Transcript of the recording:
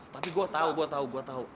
tapi gua tahu gua tahu gua tahu